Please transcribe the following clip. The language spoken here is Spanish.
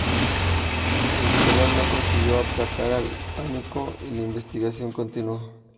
El editorial no consiguió aplacar el pánico y la investigación continuó.